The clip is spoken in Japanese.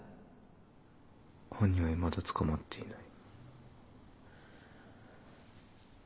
「犯人は未だ捕まっていない」